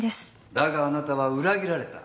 だがあなたは裏切られた。